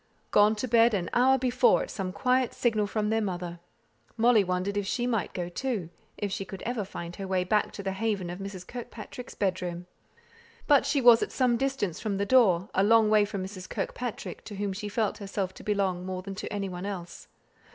Gone to bed an hour before, at some quiet signal from their mother. Molly wondered if she might go, too if she could ever find her way back to the haven of Mrs. Kirkpatrick's bedroom. But she was at some distance from the door; a long way from Mrs. Kirkpatrick, to whom she felt herself to belong more than to any one else.